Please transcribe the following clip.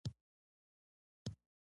پخو قلمه زده کړه ښایسته کېږي